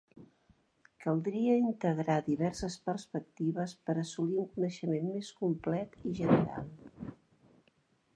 Caldria integrar diverses perspectives per assolir un coneixement més complet i general.